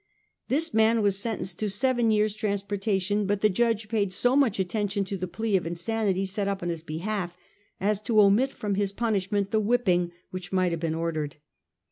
This man was sentenced to seven years' transporta tion, but the judge paid so much attention to the plea of insanity set up on his behalf, as to omit from his punishment the whipping which might have been ordered.